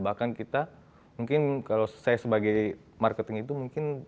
bahkan kita mungkin kalau saya sebagai marketing itu mungkin